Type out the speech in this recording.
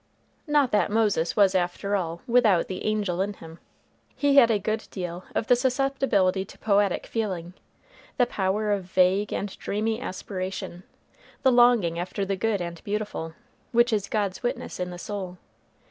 Not that Moses was, after all, without "the angel in him." He had a good deal of the susceptibility to poetic feeling, the power of vague and dreamy aspiration, the longing after the good and beautiful, which is God's witness in the soul.